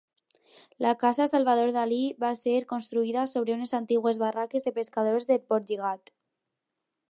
La casa Salvador Dalí va ser construïda sobre unes antigues barraques de pescadors de Portlligat.